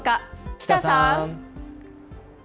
喜多さん。